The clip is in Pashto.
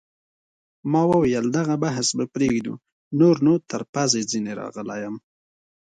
ما وویل: دغه بحث به پرېږدو، نور نو تر پزې ځیني راغلی یم.